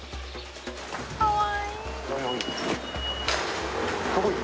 かわいい！